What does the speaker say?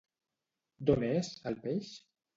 D'on és, el peix?